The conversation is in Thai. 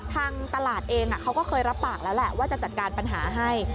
ทางตลาดเองเขาก็เคยรับปากแล้วแหละว่าจะจัดการปัญหาให้